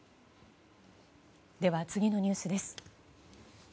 では、次のニュースです。